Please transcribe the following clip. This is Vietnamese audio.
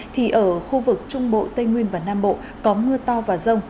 thì ở khu vực trung bộ tây nguyên và nam bộ có mưa to và rông